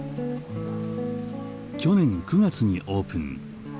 去年９月にオープン。